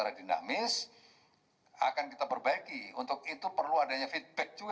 akan kaji lagi kita perbaiki lagi kita perbaiki lagi